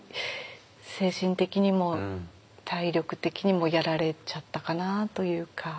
精神的にも体力的にもやられちゃったかなあというか。